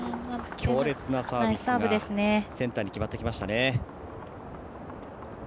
強烈なサービスがセンターに決まってきました。